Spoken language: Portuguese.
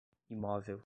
imóvel